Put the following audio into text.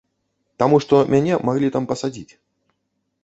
Таму што мяне маглі там пасадзіць.